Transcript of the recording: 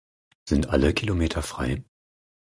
Sind alle Kilometer frei?